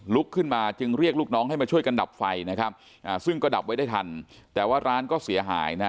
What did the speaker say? ลุกขึ้นมาจึงเรียกลูกน้องให้มาช่วยกันดับไฟนะครับอ่าซึ่งก็ดับไว้ได้ทันแต่ว่าร้านก็เสียหายนะ